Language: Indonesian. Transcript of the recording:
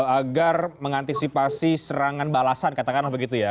agar mengantisipasi serangan balasan katakanlah begitu ya